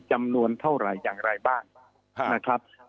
จำนวนเท่าไหร่อย่างไรบ้างนะครับ